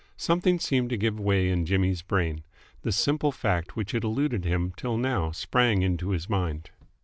Something seemed to give way in Jimmy's brain. The simple fact which had eluded him till now sprang into his mind.